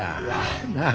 なあ。